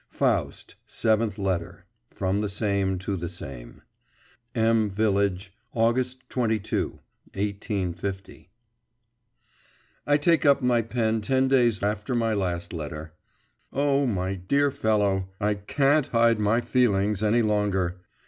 Yours, P. B. SEVENTH LETTER From the SAME to the SAME M VILLAGE, August 22, 1850. I take up my pen ten days after my last letter.… Oh my dear fellow, I can't hide my feelings any longer!